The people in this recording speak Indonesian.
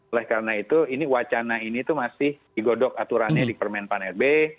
oleh karena itu wacana ini itu masih digodok aturannya di permainan panair b